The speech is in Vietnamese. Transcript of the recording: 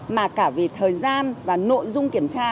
mà cả về thời gian và nội dung kiểm tra